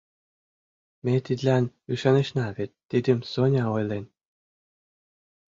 Ме тидлан ӱшанышна, вет тидым Соня ойлен.